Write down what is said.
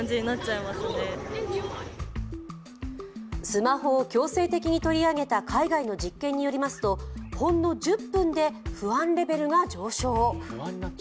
スマホを強制的に取り上げた海外の実験によりますとほんの１０分で不安レベルが上昇。